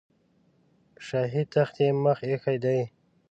په شاهي تخت یې مخ ایښی دی.